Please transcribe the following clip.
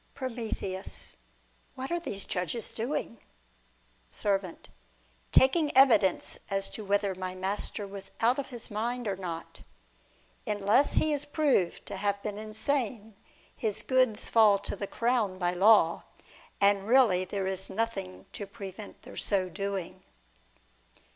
Prom. What are these judges doing ? THE WAGER OF PROMETHEUS. $7 Servant. Taking evidence as to whether my master was out of his mind or not. Unless he is proved to have heen insane, his goods fall to the crown by law ; and really there is nothing to prevent their so doing.